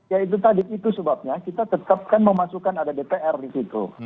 ya itu tadi itu sebabnya kita tetapkan memasukkan ada dpr di situ